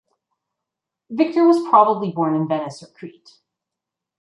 Victor was probably born in Venice or Crete.